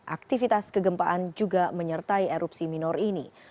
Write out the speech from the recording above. aktivitas kegempaan juga menyertai erupsi minor ini